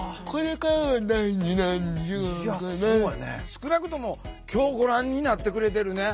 少なくとも今日ご覧になってくれてるね